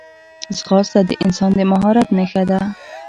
ځغاسته د انسان د مهارت نښه ده